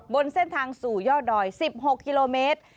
บนเส้นทางสู่ยอดดอย๑๖กิโลเมตร